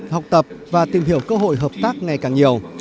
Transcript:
học tập và tìm hiểu cơ hội hợp tác ngày càng nhiều